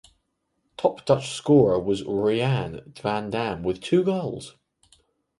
Top Dutch scorer was Rianne van Dam with two goals.